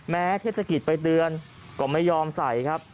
เทศกิจไปเตือนก็ไม่ยอมใส่ครับ